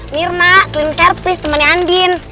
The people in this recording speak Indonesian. mirna kling servis temennya andin